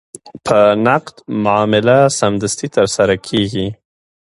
په نقد معامله سمدستي ترسره کېږي.